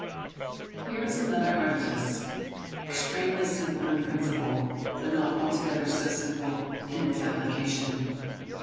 Here is another artifice, extremely simple in principle, though not altogether so simple in its application.